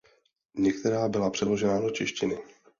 Některá byla přeložena do češtiny.